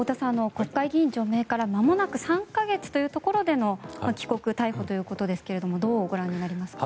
国会議員除名からまもなく３か月というところでの帰国・逮捕というところですがどうご覧になりますか。